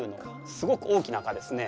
すごく大きな蚊ですね。